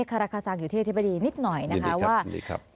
คาราคาสางอยู่ที่อธิบดินิตหน่อยนะคะว่ายินดีครับ